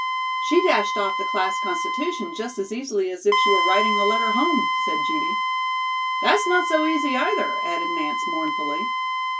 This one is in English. "She dashed off the class constitution just as easily as if she were writing a letter home," said Judy. "That's not so easy, either," added Nance mournfully.